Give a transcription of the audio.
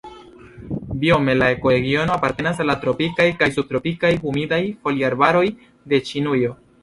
Biome la ekoregiono apartenas al la tropikaj kaj subtropikaj humidaj foliarbaroj de Ĉinujo.